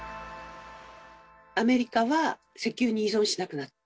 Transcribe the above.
アメリカは石油に依存しなくなった。